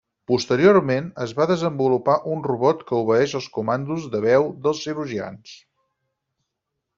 Posteriorment es va desenvolupar un robot que obeeix els comandos de veu dels cirurgians.